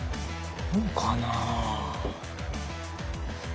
どうかな。